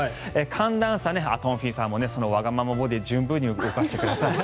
寒暖差、トンフィさんもそのわがままボディーを十分に動かしてください。